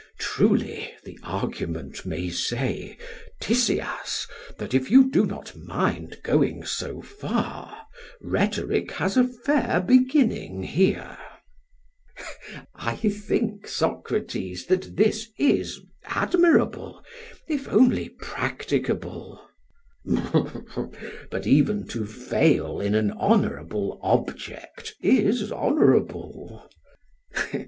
Truly, the argument may say, Tisias, that if you do not mind going so far, rhetoric has a fair beginning here. PHAEDRUS: I think, Socrates, that this is admirable, if only practicable. SOCRATES: But even to fail in an honourable object is honourable.